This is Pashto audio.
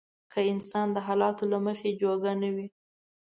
که انسان د حالاتو له مخې جوګه نه وي.